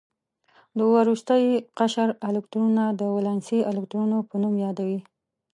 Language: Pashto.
د وروستي قشر الکترونونه د ولانسي الکترونونو په نوم یادوي.